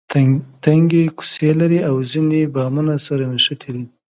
تنګې کوڅې لري او ځینې بامونه سره نښتي دي.